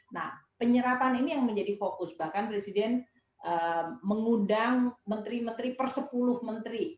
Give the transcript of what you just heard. nah penyerapan ini yang menjadi fokus bahkan presiden mengundang menteri menteri per sepuluh menteri